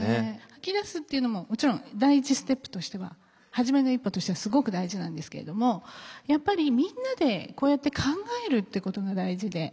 吐き出すっていうのももちろん第一ステップとしては初めの一歩としてはすごく大事なんですけれどもやっぱりみんなでこうやって考えるっていうことが大事で。